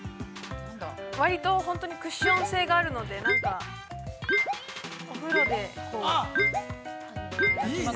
割とほんとにクッション性があるのでなんか、お風呂で、こう◆あっ、いいね！